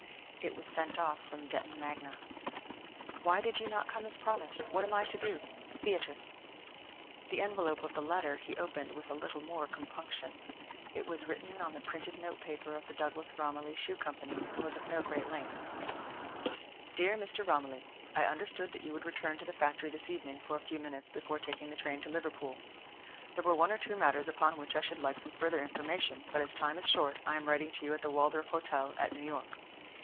It was sent off from Detton Magna, "Why did you not come as promised? What am I to do? BEATRICE." The envelope of the letter he opened with a little more compunction. It was written on the printed notepaper of the Douglas Romilly Shoe Company, and was of no great length, "Dear Mr. Romilly, "I understood that you would return to the factory this evening for a few minutes, before taking the train to Liverpool. There were one or two matters upon which I should like some further information, but as time is short I am writing to you at the Waldorf Hotel at New York.